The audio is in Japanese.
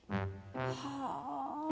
はあ。